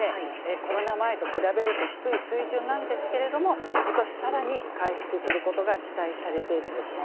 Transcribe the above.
コロナ前と比べると低い水準なんですけれども今年さらに回復することが期待されているんですね。